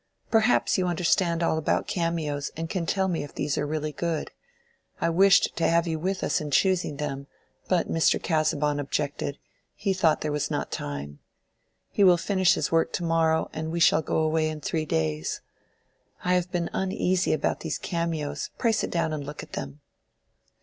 Perhaps you understand all about cameos, and can tell me if these are really good. I wished to have you with us in choosing them, but Mr. Casaubon objected: he thought there was not time. He will finish his work to morrow, and we shall go away in three days. I have been uneasy about these cameos. Pray sit down and look at them."